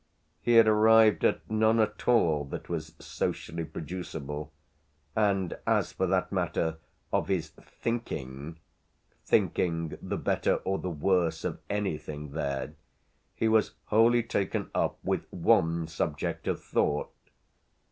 He had arrived at none at all that was socially producible, and as for that matter of his "thinking" (thinking the better or the worse of anything there) he was wholly taken up with one subject of thought.